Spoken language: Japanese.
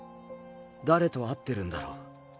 誰と会ってるんだろう。